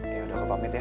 ya udah aku pamit ya